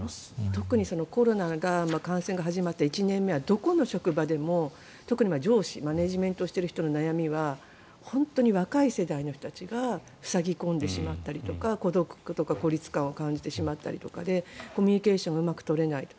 特にコロナが感染が始まって１年目はどこの職場でも特に上司、マネジメントをしている人の悩みは本当に若い世代の人たちが塞ぎ込んでしまったりとか孤独とか孤立感を感じてしまったりとかでコミュニケーションがうまく取れないと。